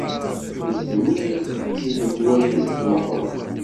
Nitni seg yiwet n twacult meɣɣren.